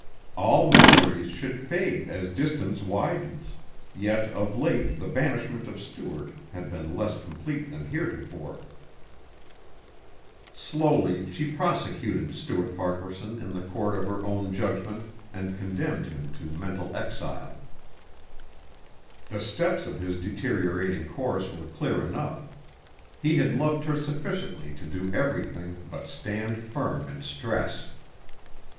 All memories should fade as distance widens, yet of late the banishment of Stuart had been less complete than heretofore. Slowly she prosecuted Stuart Farquaharson in the court of her own judgment and condemned him to mental exile. The steps of his deteriorating course were clear enough. He had loved her sufficiently to do everything but stand firm in stress.